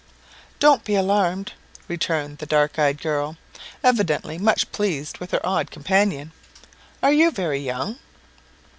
"Don't be alarmed," returned the dark eyed girl, evidently much pleased with her odd companion. "Are you very young?"